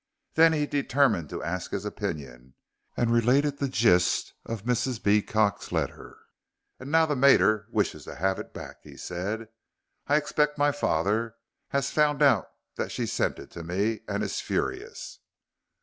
Then he determined to ask his opinion, and related the gist of Mrs. Beecot's letter. "And now the mater wires to have it back," he said. "I expect my father has found out that she has sent it to me, and is furious."